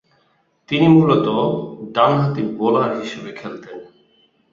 তিনি মূলতঃ ডানহাতি বোলার হিসেবে খেলতেন।